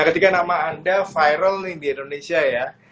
nah ketika nama anda viral di indonesia ya